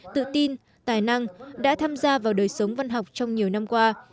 tự tin tài năng đã tham gia vào đời sống văn học trong nhiều năm qua